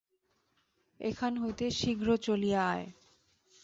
এখান হইতে শীঘ্র চলিয়া আয়!